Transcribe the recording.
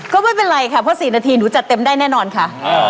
ก็ไม่เป็นไรค่ะเพราะ๔นาทีหนูจัดเต็มได้แน่นอนค่ะ